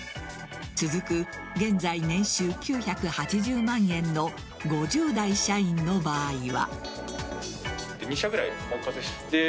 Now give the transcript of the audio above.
続く、現在年収９８０万円の５０代社員の場合は。